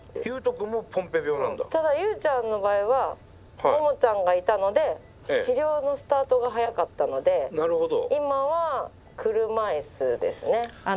ただユウちゃんの場合はモモちゃんがいたので治療のスタートが早かったので今は車椅子ですね。